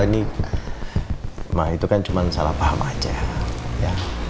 ini mah itu kan cuma salah paham aja ya